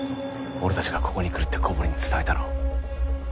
俺たちがここに来るって古堀に伝えたの。